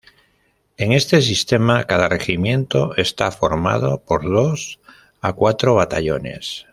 En este sistema, cada regimiento está formado por dos a cuatro batallones.